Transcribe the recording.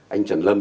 anh trần lâm